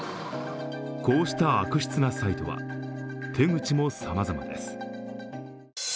こうした悪質なサイトは、手口もさまざまです。